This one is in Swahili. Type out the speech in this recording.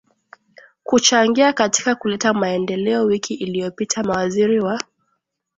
kuchangia katika kuleta maendeleoWiki iliyopita mawaziri wa